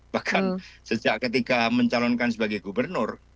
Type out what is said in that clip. bahkan sejak ketika mencalonkan sebagai gubernur